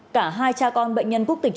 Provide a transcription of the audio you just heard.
cả hai cha con bệnh nhân quốc tịch trung quốc